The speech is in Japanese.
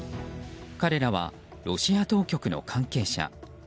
彼らはロシア当局の関係者。